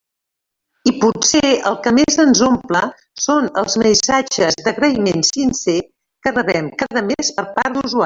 I potser el que més ens omple són els missatges d'agraïment sincer que rebem cada mes per part d'usuaris.